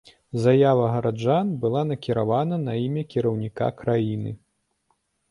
Заява гараджан была накіраваная на імя кіраўніка краіны.